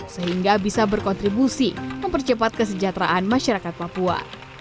sehingga bisa berkontribusi mempercepat kesejahteraan masyarakat papua